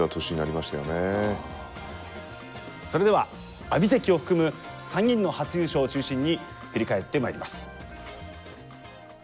それでは阿炎関を含む３人の初優勝を中心に振り返ってまいります。